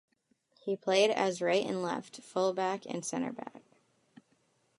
He played as right and left full back and centre back.